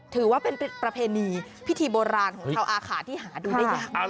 ถือว่าเป็นประเพณีพิธีโบราณของชาวอาขาที่หาดูได้ยาก